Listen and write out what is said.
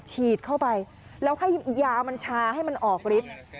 ฉีดเข้าไปแล้วให้ยามันชาให้มันออกฤทธิ์